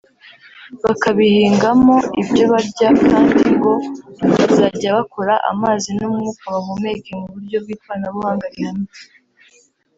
bakabihingamo ibyo barya kandi ngo bazajya bakora amazi n’umwuka bahumeka mu buryo bw’ikoranabuhanga rihanitse